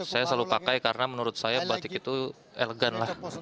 saya selalu pakai karena menurut saya batik itu elegan lah